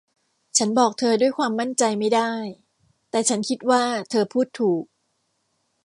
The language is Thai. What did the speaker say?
ฉันบอกเธอด้วยความมั่นใจไม่ได้ แต่ฉันคิดว่าเธอพูดถูก